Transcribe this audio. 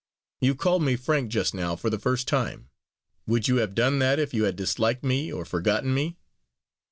You called me Frank just now, for the first time. Would you have done that, if you had disliked me or forgotten me?"